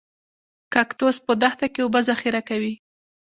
کاکتوس په دښته کې اوبه ذخیره کوي